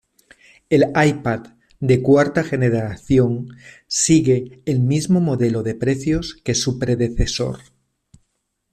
El iPad de cuarta generación sigue el mismo modelo de precios que su predecesor.